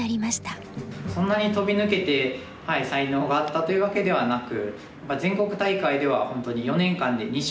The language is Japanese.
そんなに飛び抜けて才能があったというわけではなく。